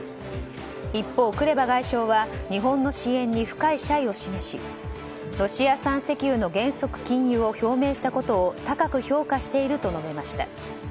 一方、クレバ外相は日本の支援に深い謝意を示しロシア産石油の原則禁輸を表明したことを高く評価していると述べました。